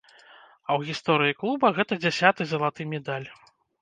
А ў гісторыі клуба гэта дзясяты залаты медаль.